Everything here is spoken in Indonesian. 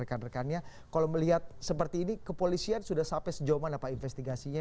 dan rekan rekannya kalau melihat seperti ini kepolisian sudah sampai sejauh mana pak investigasinya